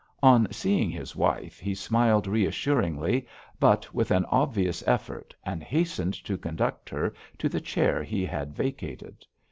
On seeing his wife, he smiled reassuringly, but with an obvious effort, and hastened to conduct her to the chair he had vacated.